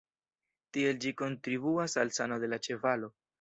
Tiel ĝi kontribuas al sano de la ĉevalo.